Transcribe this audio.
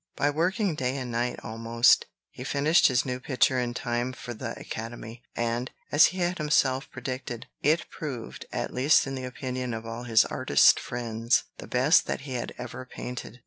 By working day and night almost, he finished his new picture in time for the Academy; and, as he had himself predicted, it proved, at least in the opinion of all his artist friends, the best that he had ever painted.